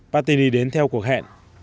patini đến theo cuộc hẹn